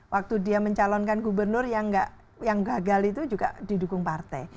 waktu dia mencalonkan gubernur yang gagal itu juga didukung partai